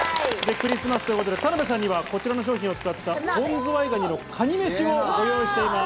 クリスマスということで田辺さんには、こちらの商品を使った本ズワイガニのカニ飯をご用意しています。